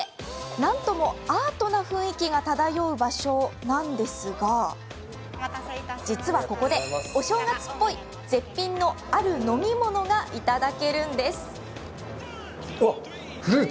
なんともアートな雰囲気が漂う場所なんですが実は、ここでお正月っぽい絶品のある飲み物がいただけるんです。